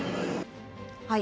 はい。